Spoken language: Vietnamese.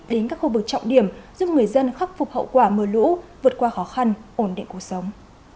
đến các khu vực trọng điểm giúp người dân khắc phục hậu quả mưa lũ vượt qua khó khăn ổn định cuộc sống